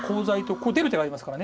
ここ出る手がありますから。